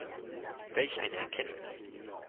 Welch eine Erkenntnis!